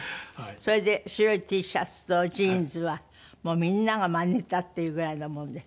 それで白いＴシャツとジーンズはもうみんながマネたっていうぐらいなもんで。